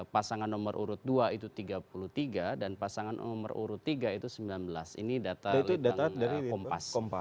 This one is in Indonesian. pasangan nomor urut dua itu tiga puluh tiga dan pasangan nomor urut tiga itu sembilan belas ini data litbang kompas